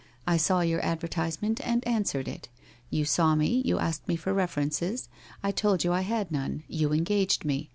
I saw your advertisement and answered it. You saw me, you asked me for references. I told you I had none. You engaged me.